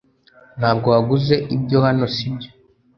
Ntabwo waguze ibyo hano sibyo